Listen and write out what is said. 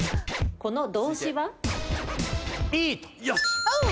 この動詞は？